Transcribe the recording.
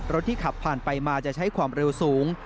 ที่ขับผ่านไปมาจะใช้ความเร็วสูง